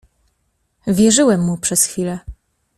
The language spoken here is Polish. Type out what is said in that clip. "Wierzyłem mu przez chwilę."